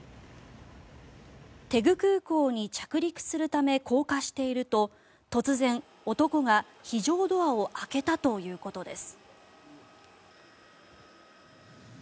大邱空港に着陸するため降下していると突然、男が非常ドアを開けたということです。